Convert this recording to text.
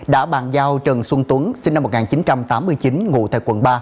đã bàn giao trần xuân tuấn sinh năm một nghìn chín trăm tám mươi chín ngụ tại quận ba